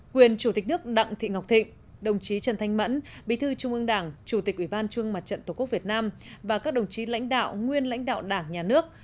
quyền chủ tịch nước đặng thị ngọc thịnh đồng chí trần thanh mẫn bí thư trung ương đảng chủ tịch ủy ban trung mặt trận tổ quốc việt nam và các đồng chí lãnh đạo nguyên lãnh đạo đảng nhà nước